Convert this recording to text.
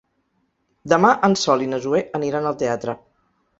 Demà en Sol i na Zoè aniran al teatre.